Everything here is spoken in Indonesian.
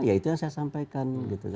ya itu yang saya sampaikan